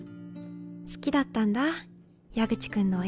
好きだったんだ矢口君の絵。